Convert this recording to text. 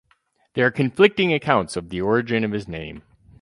There are conflicting accounts of the origin of his name.